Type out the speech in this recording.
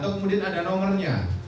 atau kemudian ada nomernya